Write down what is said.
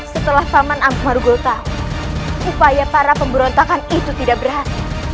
setelah paman amuk maruguh tahu upaya para pemberontakan itu tidak berhati